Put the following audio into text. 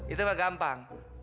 itu mah gampang